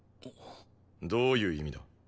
どういう意味だ？